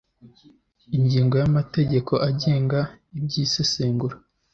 ingingo ya amategeko agenga iby isesengura